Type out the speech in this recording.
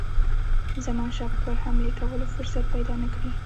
زمانشاه پر حملې کولو فرصت پیدا نه کړي.